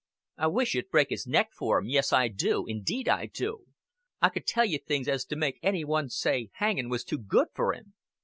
"I wish you'd break his neck for him, yes, I do, indeed I do. I could tell you things as 'd make any one say hanging was too good for him."